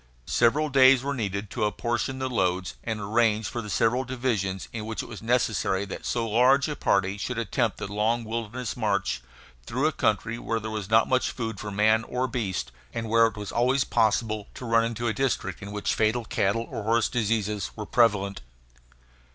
Several days were needed to apportion the loads and arrange for the several divisions in which it was necessary that so large a party should attempt the long wilderness march, through a country where there was not much food for man or beast, and where it was always possible to run into a district in which fatal cattle or horse diseases were prevalent.